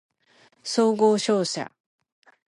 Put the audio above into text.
総合商社